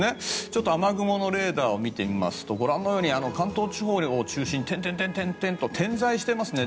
ちょっと雨雲のレーダーを見てみますとご覧のように関東地方を中心に点々と点在していますね。